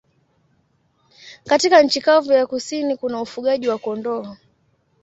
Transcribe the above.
Katika nchi kavu ya kusini kuna ufugaji wa kondoo.